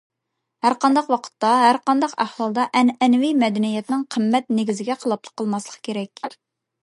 ھەرقانداق ۋاقىت، ھەرقانداق ئەھۋالدا ئەنئەنىۋى مەدەنىيەتنىڭ قىممەت نېگىزىگە خىلاپلىق قىلماسلىق كېرەك.